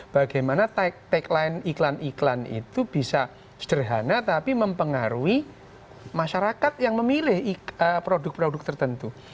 bagaimana tagline iklan iklan itu bisa sederhana tapi mempengaruhi masyarakat yang memilih produk produk tertentu